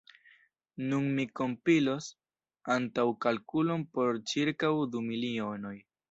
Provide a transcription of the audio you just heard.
Nun mi kompilos antaŭkalkulon por ĉirkaŭ du milionoj.